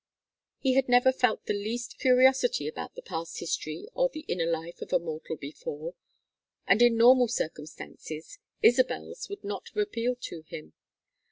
He had never felt the least curiosity about the past history or the inner life of a mortal before, and in normal circumstances Isabel's would not have appealed to him.